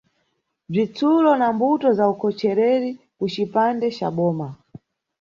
Bzitsulo na Mbuto za ukhochereri kucipande ca boma.